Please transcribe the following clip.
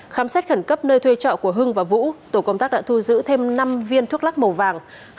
khám xét khẩn cấp nơi thuê trọ của hưng và vũ tổ công tác đã thu giữ thêm năm viên thuốc lắc màu vàng